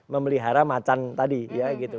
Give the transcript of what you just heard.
memelihara macan tadi ya gitu